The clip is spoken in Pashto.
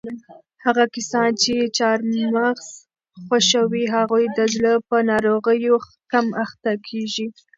هغه کسان چې چهارمغز خوښوي هغوی د زړه په ناروغیو کم اخته کیږي.